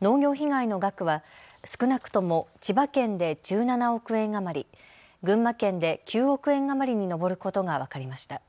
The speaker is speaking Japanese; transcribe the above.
農業被害の額は少なくとも千葉県で１７億円余り、群馬県で９億円余りに上ることが分かりました。